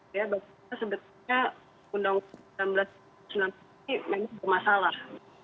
bahwa sebetulnya undang undang dua ribu sembilan belas ini memang ada masalah